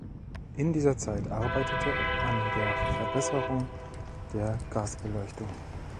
In dieser Zeit arbeitete an der Verbesserung der Gasbeleuchtung.